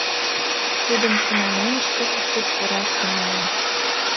Тудын пунан оҥышкыжо сур пураш тӱҥалын.